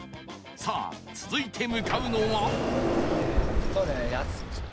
さあ続いて向かうのは